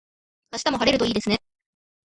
明日も晴れるといいですね。